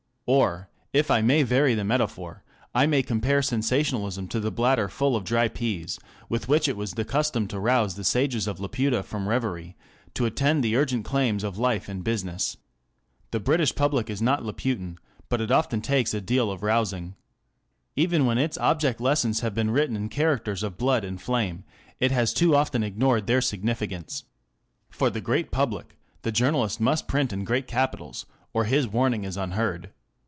Or, if I may vary the metaphor, I may compare sensationalism to the bladder full of dry peas with which it was the custom to rouse the sages of Laputa from reverie to attend to the urgent claims of life and business. The Digitized by Google GOVERNMENT BY JOURNALISM. 673 British public is not Laputan, but it often takes a deal of rousing.. Even when its object lessons have been written in characters of blood and flame, it has too often ignored their significance. For the great public the journalist must print in great capitals, or his warning is unheard.